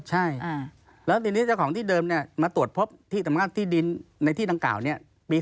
ใช่แล้วทีนี้เจ้าของที่เดิมเนี่ยมาตรวจพบที่สำนักงานที่ดินในที่ดังกล่าวเนี่ย